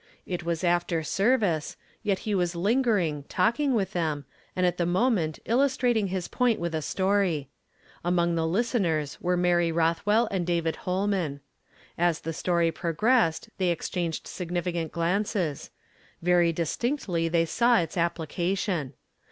It was after service ; yet he was lingering, talk ing with them, and at the moment illustrating his point with a stoiy. Among the listeners were Mary Roth well and David Ilolman. As the story progressed they exchanged significant glances; very distinctly they saw its application.